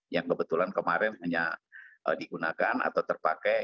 yang kebetulan kemarin hanya digunakan atau terpakai